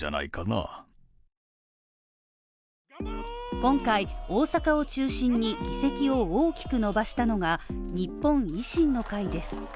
今回、大阪を中心に議席を大きく伸ばしたのが、日本維新の会です。